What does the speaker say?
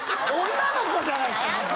女の子じゃないですか。